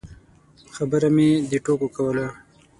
خبره مې د ټوکو کوله.